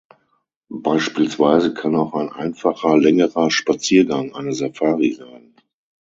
Beispielsweise kann auch ein einfacher längerer Spaziergang eine Safari sein.